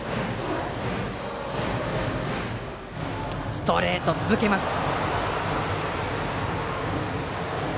ストレートを続けました。